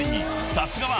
［さすがは］